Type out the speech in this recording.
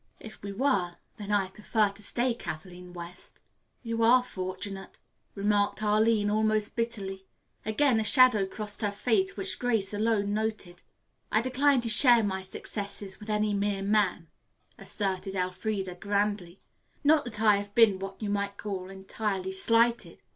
If we were, then I'd prefer to stay Kathleen West." "You are fortunate," remarked Arline almost bitterly. Again a shadow crossed her face which Grace alone noted. "I decline to share my successes with any mere man," asserted Elfreda grandly. "Not that I have been what you might call entirely slighted.